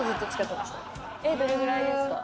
どれぐらいですか？